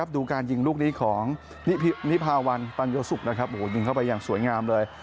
ดูการยิงลูกนี้ของนิพาวันปัญโยสุกนะครับยิงเข้าไปอย่างสวยงามเลย